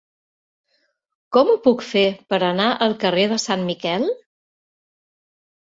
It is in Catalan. Com ho puc fer per anar al carrer de Sant Miquel?